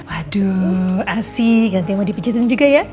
waduh asik nanti mau dipijetin juga ya